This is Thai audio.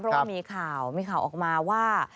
เพราะว่ามีข่าวมีข่าวออกมาว่า